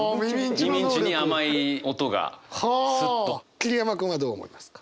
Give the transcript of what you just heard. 桐山君はどう思いますか？